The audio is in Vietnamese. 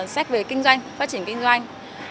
sách về kinh doanh phát triển kinh doanh